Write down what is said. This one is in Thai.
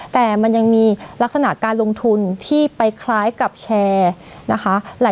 แต่มันยังมีลักษณะการลงทุนที่ไปคล้ายกับแชร์นะคะ